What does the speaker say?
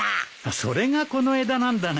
それがこの枝なんだね。